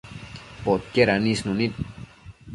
Podquied anisnu nid